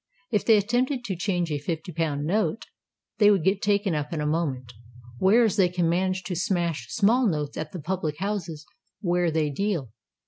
If they attempted to change a fifty pound note, they would get taken up in a moment; whereas they can manage to smash small notes at the public houses where they deal.